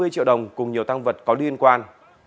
hai mươi triệu đồng cùng nhiều tăng vật có liên quan